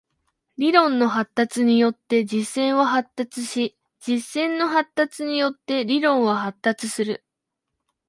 理論の発達によって実践は発達し、実践の発達によって理論は発達する。